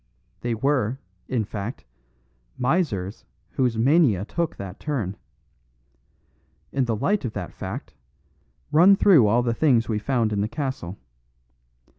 They were, in fact, misers whose mania took that turn. In the light of that fact, run through all the things we found in the castle.